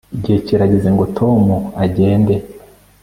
Igihe kirageze ngo Tom agende